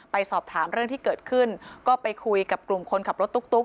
ไปสอบถามเรื่องที่เกิดขึ้นก็ไปคุยกับกลุ่มคนขับรถตุ๊ก